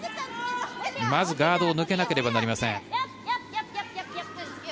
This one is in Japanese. まずガードを抜けなければなりません。